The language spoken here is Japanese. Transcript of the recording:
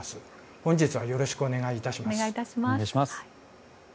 本日はよろしくお願い致します。